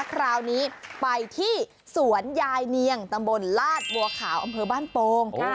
คราวนี้ไปที่สวนยายเนียงตำบลลาดบัวขาวอำเภอบ้านโป่ง